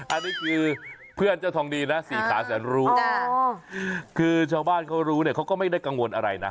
อันนี้คือเพื่อนเจ้าทองดีนะสี่ขาแสนรู้คือชาวบ้านเขารู้เนี่ยเขาก็ไม่ได้กังวลอะไรนะ